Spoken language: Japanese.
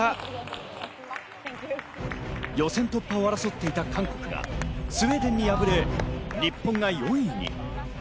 予選突破を争っていた韓国がスウェーデンに敗れ、日本が４位に。